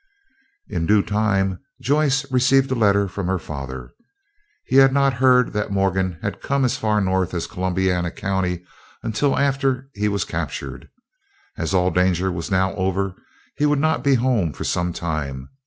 In due time Joyce received a letter from her father. He had not heard that Morgan had come as far north as Columbiana County, until after he was captured. As all danger was now over, he would not be home for some time.